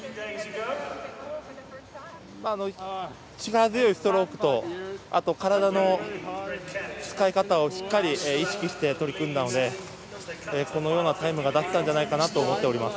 力強いストロークと体の使い方をしっかり意識して取り組んだのでこのようなタイムが出せたんじゃないかなと思っています。